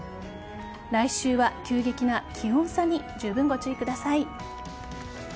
来週は、急激な気温差にじゅうぶんご注意ください。